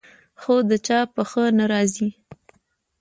خو د چا په ښه نه راځي.